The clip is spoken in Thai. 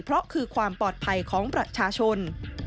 เพราะคือความปลอดภัยของประชาชน